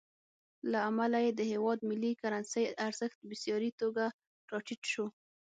له امله یې د هېواد ملي کرنسۍ ارزښت بېساري توګه راټیټ شو.